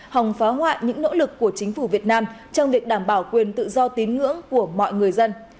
hòng phá hoại những nỗ lực của chính phủ việt nam trong việc đảm bảo quyền tự do tín ngưỡng của mọi người dân